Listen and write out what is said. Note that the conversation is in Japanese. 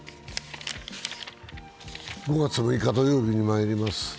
５月６日土曜日にまいります。